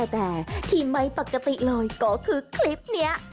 แต่ที่ไม่ปกติเลยก็คือคลิปนี้